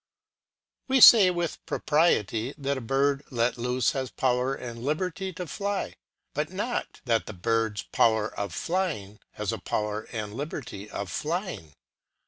We say with propriety, that a bird let loose has power and liberty to fly ; but not that the bird's power of flying has a power and liberty of flying.